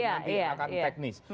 nanti akan teknis